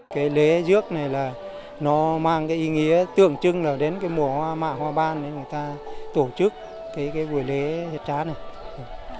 cái lẽ dước này là nó mang cái ý nghĩa tượng trưng là đến cái mùa hoa mạ hoa ban này người ta tổ chức cái buổi lễ hết trá này